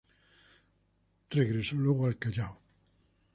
Regresó luego al Callao.